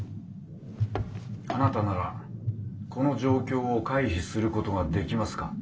あなたならこの状況を回避することができますか？」。